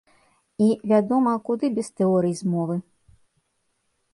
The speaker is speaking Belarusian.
І, вядома, куды без тэорый змовы.